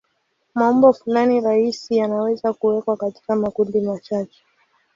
Maumbo fulani rahisi yanaweza kuwekwa katika makundi machache.